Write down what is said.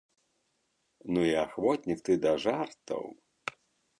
Ну і ахвотнік ты да жартаў!